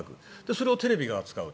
それをテレビが扱う。